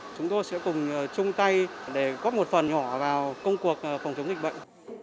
chúng tôi sẽ cùng chung tay để góp một phần nhỏ vào công cuộc phòng chống dịch bệnh